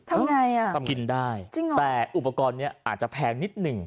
ทำไงอ่ะทำกินได้จริงเหรอแต่อุปกรณ์นี้อาจจะแพงนิดหนึ่ง